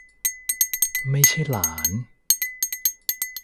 ไม่ใช่หลาน